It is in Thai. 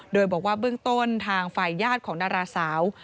โดยบอกว่าเบื้องต้นทางฝ่ายญาติของดาราสาว